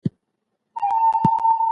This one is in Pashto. زوړ سړی تنها پر لویه لار روان و